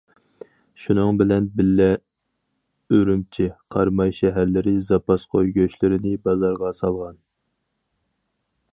شۇنىڭ بىلەن بىللە ئۈرۈمچى، قاراماي شەھەرلىرى زاپاس قوي گۆشلىرىنى بازارغا سالغان.